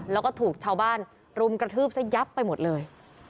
แล้วก็ถูกชาวบ้านรุมกระทืบซะยับไปหมดเลย